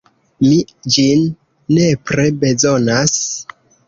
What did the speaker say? Mi ĝin nepre bezonas.